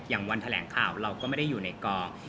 วันแถลงข่าวเราก็ไม่ได้อยู่ในกอง